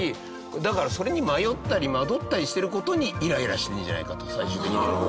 だからそれに迷ったり惑ったりしてる事にイライラしてるんじゃないかと最終的には。